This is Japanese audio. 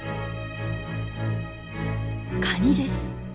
カニです。